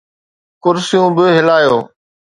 ڪرسيون به ھلايو.